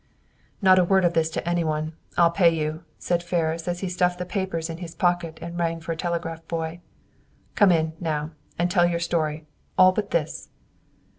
"Not a word of this to any one; I'll pay you," said Ferris, as he stuffed the papers in his pocket and rang for a telegraph boy. "Come in, now, and tell your story all but this!"